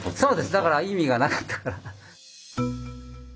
だから意味がなかったから。